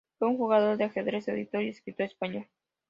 Fue un jugador de ajedrez, editor y escritor español.